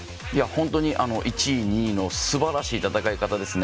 本当に１位、２位のすばらしい戦い方ですね。